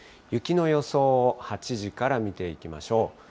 雪の予想を８時から見ていきましょう。